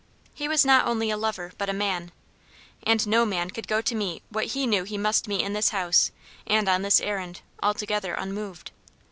He was not only a lover but a man. And no man could go to meet what he knew he must meet in this house, and on this errand, altogether unmoved.